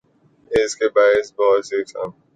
اسکے باعث بہت سی اقسام کے سر درد کا شافی علاج ہو سکتا ہے